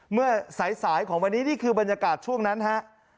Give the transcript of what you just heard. เมื่อสายของวันนี้นี่คือบรรยากาศช่วงนั้นฮะ